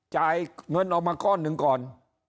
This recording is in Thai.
จ่ายเงินออกมาก้อนหนึ่งก่อน